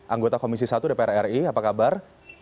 anggota komisi satu dpr ri apa kabar